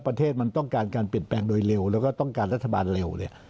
ประเทศมันต้องการการเปลี่ยนแปลงโดยเร็วแล้วก็ต้องการรัฐบาลเร็วเนี่ย